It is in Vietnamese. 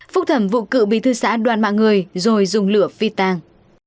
phúc thẩm vụ cựu bí thư xã đoàn mạng người rồi dùng lửa phi tàng